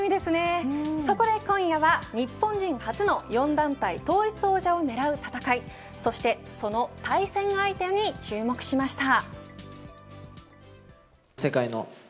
ここで今夜は日本人初の４団体統一王者を狙う戦いそしてその対戦相手に注目しました。